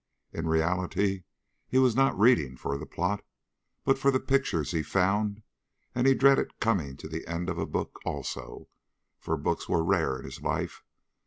In reality he was not reading for the plot, but for the pictures he found, and he dreaded coming to the end of a book also, for books were rare in his life.